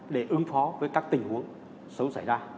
để ứng phó với các tình huống xấu xảy ra